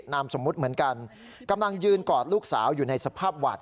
นามสมมุติเหมือนกันกำลังยืนกอดลูกสาวอยู่ในสภาพหวัด